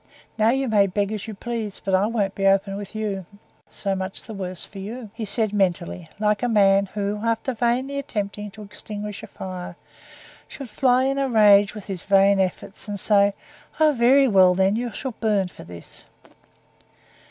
Now you may beg as you please, but I won't be open with you. So much the worse for you!" he said mentally, like a man who, after vainly attempting to extinguish a fire, should fly in a rage with his vain efforts and say, "Oh, very well then! you shall burn for this!"